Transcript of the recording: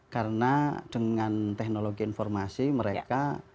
karena dengan teknologi informasi mereka